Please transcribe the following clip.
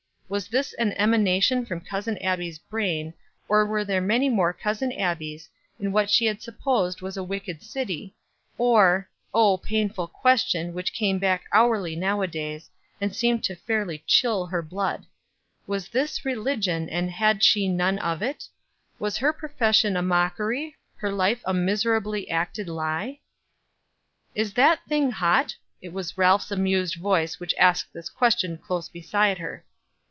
Was this an emanation from Cousin Abbie's brain, or were there many more Cousin Abbies in what she had supposed was a wicked city, or oh painful question, which came back hourly nowadays, and seemed fairly to chill her blood was this religion, and had she none of it? Was her profession a mockery, her life a miserably acted lie? "Is that thing hot?" It was Ralph's amused voice which asked this question close beside her.